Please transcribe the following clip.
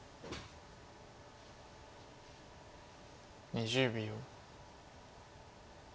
２０秒。